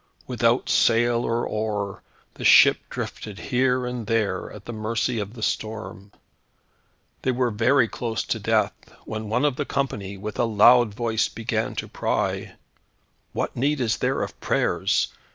Without sail or oar, the ship drifted here and there, at the mercy of the storm. They were very close to death, when one of the company, with a loud voice began to cry, "What need is there of prayers!